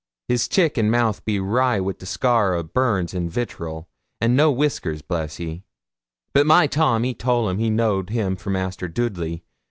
His chick and mouth be wry wi' scar o' burns or vitterel, an' no wiskers, bless you; but my Tom ee toll him he knowed him for Master Doodley.